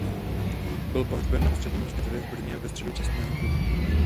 Byl pohřben na Ústředním hřbitově v Brně ve středu čestného kruhu.